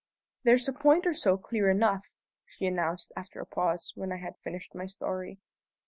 "There's a point or so clear enough," she announced, after a pause, when I had finished my story.